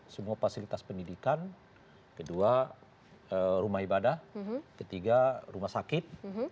semua fasilitas pendidikan kedua rumah ibadah ketiga rumah sakit